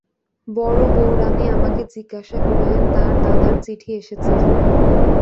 বড়োবউরানী আমাকে জিজ্ঞাসা করলেন তাঁর দাদার চিঠি এসেছে কি না।